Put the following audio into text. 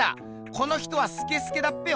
この人はスケスケだっぺよ。